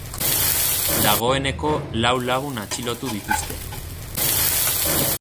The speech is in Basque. Dagoeneko lau lagun atxilotu dituzte.